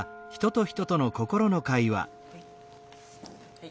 はい。